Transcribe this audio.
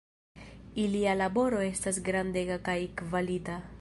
Ilia laboro estas grandega kaj kvalita.